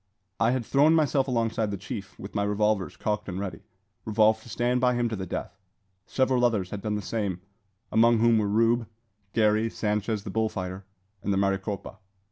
I had thrown myself alongside the chief, with my revolvers cocked and ready, resolved to stand by him to the death. Several others had done the same, among whom were Rube, Garey, Sanchez the bull fighter, and the Maricopa.